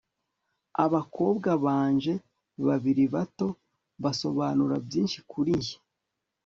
abakobwa banje babiri bato basobanura byinshi kuri njye